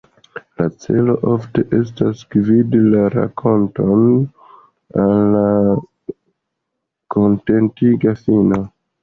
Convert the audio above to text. La celo ofte estas gvidi la rakonton al kontentiga fino.